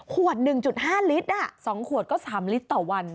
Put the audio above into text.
ขวด๑๕ลิตร๒ขวดก็๓ลิตรต่อวัน